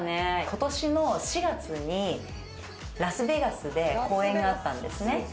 今年の４月にラスベガスで公演があったんですね。